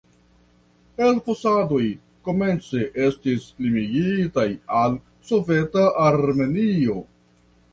Elfosadoj komence estis limigitaj al soveta Armenio.